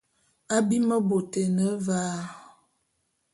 Abim bôt é ne va.